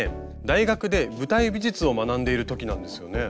大学で舞台美術を学んでいる時なんですよね。